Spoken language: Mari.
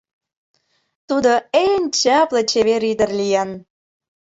— Тудо эн чапле чевер ӱдыр лийын!